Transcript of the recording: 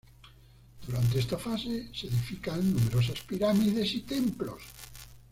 Durante esta fase, se edifican numerosas pirámides y templos.